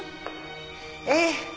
ええ。